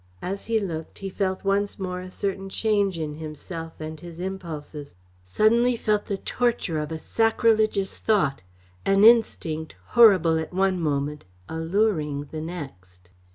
As he looked he felt once more a certain change in himself and his impulses, suddenly felt the torture of a sacrilegious thought, an instinct, horrible at one moment, alluring the next.